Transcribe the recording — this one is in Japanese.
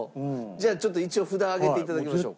じゃあちょっと一応札上げて頂きましょうか。